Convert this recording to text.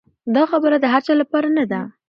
دا خبره د هر چا لپاره نه ده.